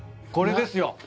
これですよ。